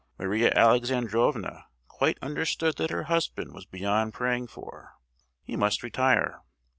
Maria Alexandrovna quite understood that her husband was beyond praying for: he must retire.